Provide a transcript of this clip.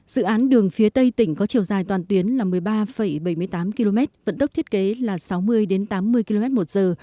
dự án đường phía tây tỉnh có chiều dài toàn tuyến là một mươi ba bảy mươi tám km vận tốc thiết kế là sáu mươi tám mươi km một giờ